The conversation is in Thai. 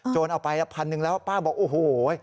โจรเอาไป๑๐๐๐แล้วป้าบอกโอ้โห